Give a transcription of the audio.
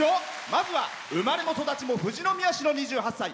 まずは、生まれも育ちも富士宮市の２８歳。